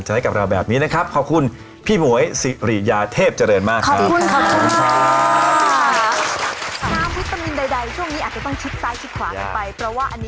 ให้กับเราแบบนี้นะครับขอบคุณพี่หมวยสิริยาเทพเจริญมากครับ